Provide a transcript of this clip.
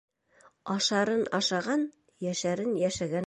Ашарын - ашаған, йәшәрен - йәшәгән.